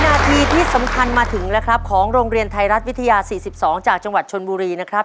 นาทีที่สำคัญมาถึงแล้วครับของโรงเรียนไทยรัฐวิทยา๔๒จากจังหวัดชนบุรีนะครับ